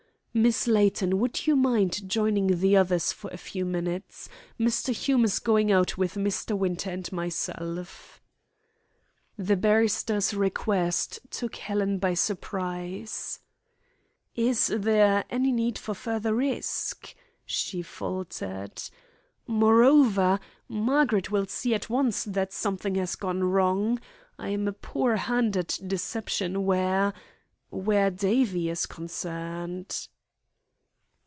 "Miss Layton, would you mind joining the others for a few minutes. Mr. Hume is going out with Mr. Winter and myself." The barrister's request took Helen by surprise. "Is there any need for further risk?" she faltered. "Moreover, Margaret will see at once that something has gone wrong. I am a poor hand at deception where where Davie is concerned."